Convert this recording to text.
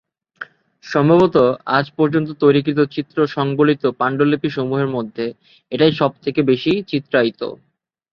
সম্ভবত আজ পর্যন্ত তৈরিকৃত চিত্র সংবলিত পান্ডুলিপি সমূহের মধ্যে এটাই সব থেকে বেশি চিত্রায়িত।